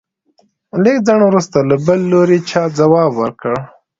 د لږ ځنډ وروسته له بل لوري چا ځواب ورکړ.